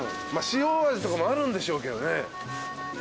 塩味とかもあるんでしょうけどね。